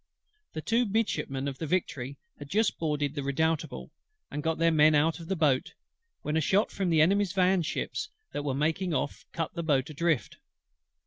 The two Midshipmen of the Victory had just boarded the Redoutable, and got their men out of the boat, when a shot from the Enemy's van ships that were making off cut the boat adrift.